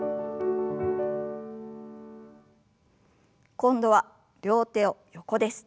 今度は両手を横です。